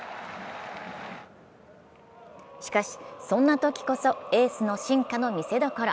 しかし、そんなときこそエースの真価の見せどころ。